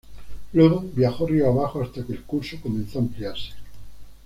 Luego viajó río abajo hasta que el curso comenzó a ampliarse.